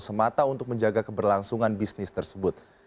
semata untuk menjaga keberlangsungan bisnis tersebut